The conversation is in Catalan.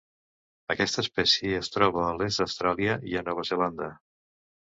Aquesta espècie es troba a l'est d'Austràlia i a Nova Zelanda.